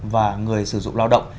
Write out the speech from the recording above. và người sử dụng lao động